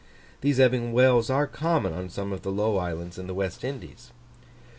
These ebbing wells are common on some of the low islands in the West Indies.